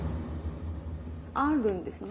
あるんですね？